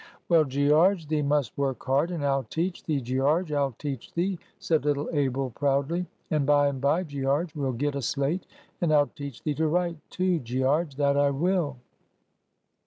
"Well, Gearge, thee must work hard, and I'll teach thee, Gearge, I'll teach thee!" said little Abel, proudly. "And by and by, Gearge, we'll get a slate, and I'll teach thee to write too, Gearge, that I will!"